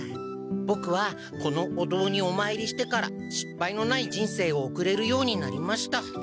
ボクはこのおどうにおまいりしてからしっぱいのない人生を送れるようになりました。